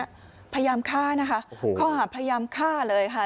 พยายามฆ่านะคะข้อหาพยายามฆ่าเลยค่ะ